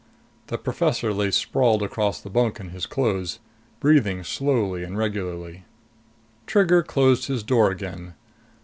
The professor lay sprawled across the bunk in his clothes, breathing slowly and regularly. Trigger closed his door again.